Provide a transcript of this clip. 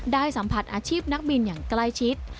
สัมผัสอาชีพนักบินอย่างใกล้ชิด